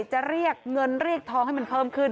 จะเรียกเงินเรียกทองให้มันเพิ่มขึ้น